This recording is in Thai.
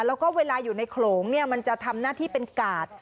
แล้วก็เวลาอยู่ในโขลงเนี่ยมันจะทำหน้าที่เป็นกาด